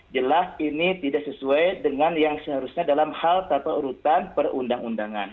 jelas ini tidak sesuai dengan yang seharusnya dalam hal tata urutan perundang undangan